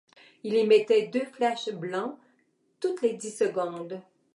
Il émettait deux flashs blancs toutes les dix secondes.